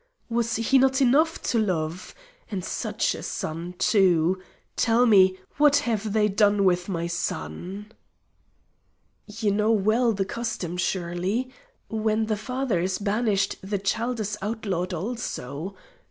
"Was not he enough to love? And such a son, too! Tell me, what have they done with my son?" "You know well the custom, surely? When the father is banished the child is outlawed also.